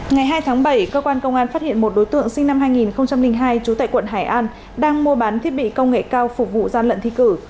ngày hai tháng bảy cơ quan công an phát hiện một đối tượng sinh năm hai nghìn hai trú tại quận hải an đang mua bán thiết bị công nghệ cao phục vụ gian lận thi cử